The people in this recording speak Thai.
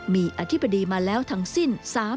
มีอธิบดีมาแล้วทั้งสิ้น